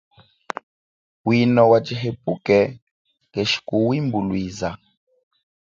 Wino wa tshihepuke keshi kuwimbulwiza.